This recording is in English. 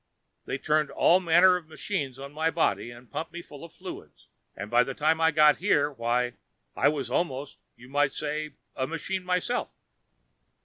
They turned all manner of machines on my body and pumped me full of fluids and by the time I got here, why, I was almost, you might say, a machine myself!